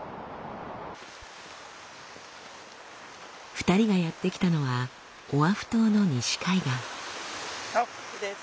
２人がやって来たのはオアフ島の西海岸。